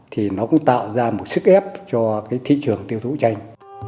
thì nó cũng tạo ra một sức ép cho cái thị trường tiêu thụ tranh